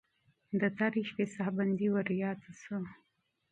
د تېرې شپې ساه بندي ورته یاده شوه.